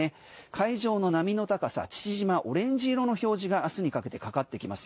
海上の波の高さ父島、オレンジ色の表示が明日にかけてかかってきます。